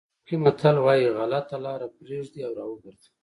ترکي متل وایي غلطه لاره پرېږدئ او را وګرځئ.